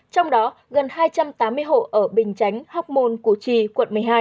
trong đó gần hai trăm tám mươi hộ ở bình chánh hóc môn củ chi quận một mươi hai